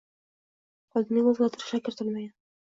Qonunga o'zgartirishlar kiritilmagan.